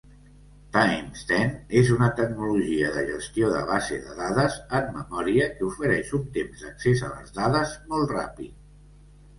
TimesTen és una tecnologia de gestió de base de dades en memòria que ofereix un temps d'accés a les dades molt ràpid.